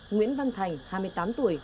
nguyễn văn thành hai mươi tám tuổi